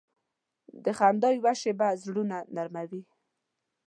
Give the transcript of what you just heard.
د خندا یوه شیبه زړونه نرمه وي.